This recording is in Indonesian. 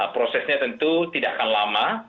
prosesnya tentu tidak akan lama